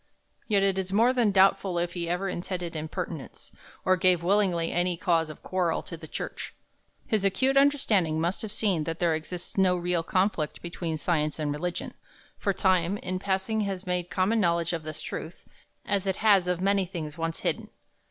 Yet it is more than doubtful if he ever intended impertinence, or gave willingly any cause of quarrel to the Church. His acute understanding must have seen that there exists no real conflict between science and religion; for time, in passing, has made common knowledge of this truth, as it has of many things once hidden.